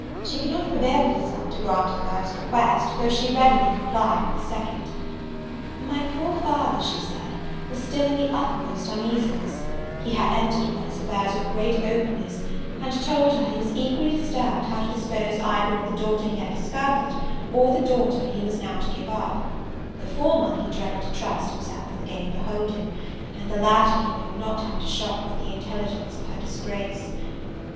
She could not prevail with herself to grant the first request, though she readily complied with the second. My poor father, she said, was still in the utmost uneasiness: he entered upon his affairs with great openness, and told her, he was equally disturbed how to dispose either of the daughter he had discovered, or the daughter he was now to give up; the former he dreaded to trust himself with again beholding, and the latter he knew not how to shock with the intelligence of her disgrace.